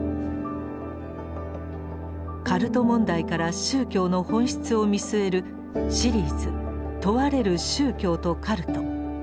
カルト問題から宗教の本質を見据えるシリーズ「問われる宗教と“カルト”」。